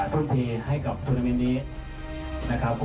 เป็นน้องที่เสียสลักนะครับแล้วทุกทีให้กับทุนโรงวิทยาลัยนี้